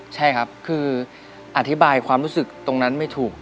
ใช่ครับคืออธิบายความรู้สึกตรงนั้นไม่ถูก